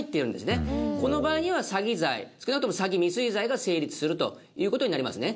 この場合には詐欺罪少なくとも詐欺未遂罪が成立するという事になりますね。